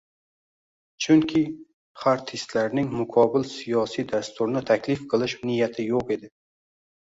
chunki xartistlarning muqobil siyosiy dasturni taklif qilish niyati yo‘q edi.